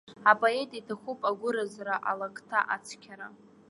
Апоет иҭахуп агәыразра, алакҭа ацқьара.